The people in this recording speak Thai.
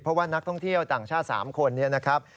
เพราะว่านักท่องเที่ยวต่างชาติ๓คน